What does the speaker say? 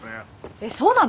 えそうなの！？